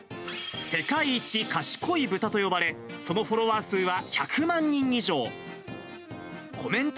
世界一賢いブタと呼ばれ、そのフォロワー数は１００万人以上。